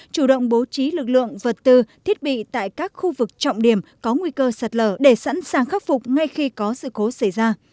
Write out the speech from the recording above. chủ động bố trí lực lượng vật tư thiết bị tại các khu vực trọng điểm có nguy cơ sạt lở để sẵn sàng khắc phục ngay khi có sự cố xảy ra